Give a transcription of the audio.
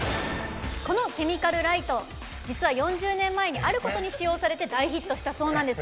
このケミカルライト実は４０年前にあることに使用されて大ヒットしたそうなんです